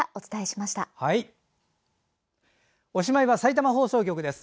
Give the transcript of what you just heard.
おしまいはさいたま放送局です。